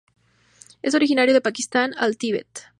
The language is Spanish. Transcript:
Es originario de Pakistán al Tibet.